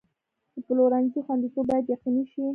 د پلورنځي خوندیتوب باید یقیني شي.